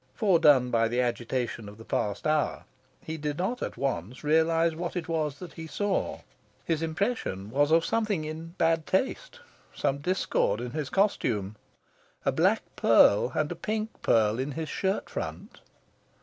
Foredone by the agitation of the past hour, he did not at once realise what it was that he saw. His impression was of something in bad taste, some discord in his costume ... a black pearl and a pink pearl in his shirt front!